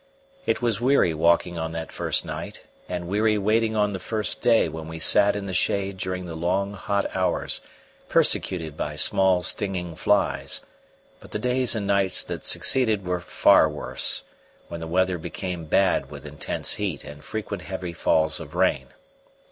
It was weary walking on that first night, and weary waiting on the first day when we sat in the shade during the long, hot hours, persecuted by small stinging flies; but the days and nights that succeeded were far worse, when the weather became bad with intense heat and frequent heavy falls of rain.